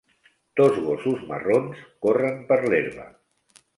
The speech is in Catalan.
Dos gossos marrons corren per l'herba.